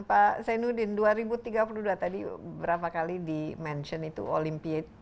pak senudin dua ribu tiga puluh dua tadi berapa kali dimention itu olimpiade